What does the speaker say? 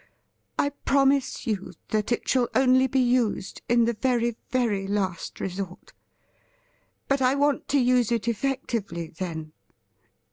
I promise you that it shall only be used in the very, very last resort ; but I want to use it effectively then.